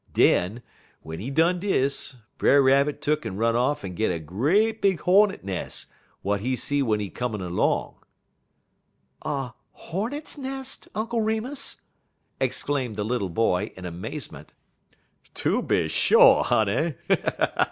Den, w'en he done dis, Brer Rabbit tuck'n run off en git a great big hornet nes' w'at he see w'en he comin' long " "A hornet's nest, Uncle Remus?" exclaimed the little boy, in amazement. "Tooby sho', honey.